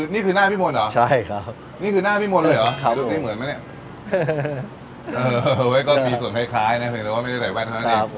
อ๋อนี่คือหน้าพี่มนต์เหรอนี่คือหน้าพี่มนต์เลยเหรอดูไม่เหมือนมั้ยเนี่ยเออเว้ยก็มีส่วนคล้ายเนี่ยเหมือนกันว่าไม่ได้ใส่แว่นเท่านั้นเนี่ย